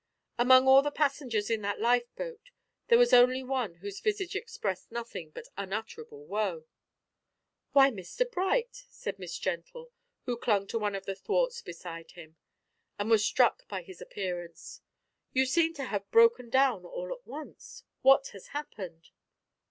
Among all the passengers in that lifeboat there was only one whose visage expressed nothing but unutterable woe. "Why, Mr Bright," said Miss Gentle, who clung to one of the thwarts beside him, and was struck by his appearance, "you seem to have broken down all at once. What has happened?"